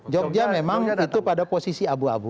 jogja memang itu pada posisi abu abu